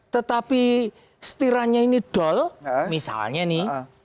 tetapi setirannya ini dull misalnya ini